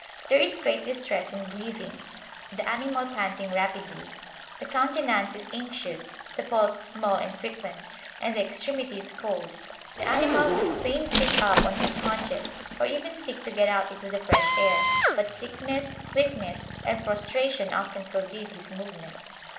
There is great distress in breathing, the animal panting rapidly. The countenance is anxious, the pulse small and frequent, and the extremities cold. The animal would fain sit up on his haunches, or even seek to get out into the fresh air, but sickness, weakness, and prostration often forbid his movements.